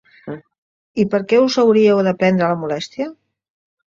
I per què us hauríeu de prendre la molèstia?